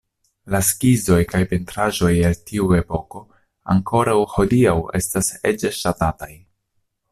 La skizoj kaj pentraĵoj el tiu epoko ankoraŭ hodiaŭ estas ege ŝatataj".